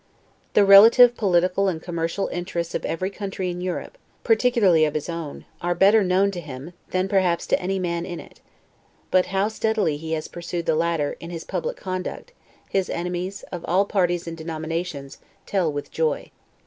The relative political and commercial interests of every country in Europe, particularly of his own, are better known to him, than perhaps to any man in it; but how steadily he has pursued the latter, in his public conduct, his enemies, of all parties and denominations, tell with joy.